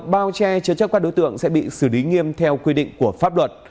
bao che chứa chấp các đối tượng sẽ bị xử lý nghiêm theo quy định của pháp luật